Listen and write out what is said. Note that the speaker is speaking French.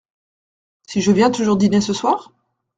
Si je viens toujours dîner ce soir ?…